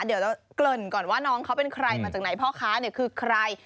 เดี๋ยวจะเกริ่นก่อนว่าน้องเขาเป็นใครมาจากไหนพ่อค้าเนี่ยคือใคร